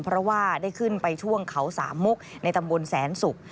เพราะว่าได้ขึ้นไปช่วงเขาสามมุกในตำบลแสนศุกร์